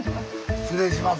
失礼します。